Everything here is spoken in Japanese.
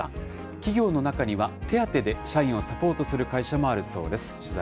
企業の中には、手当で社員をサポートする会社もあるそうです。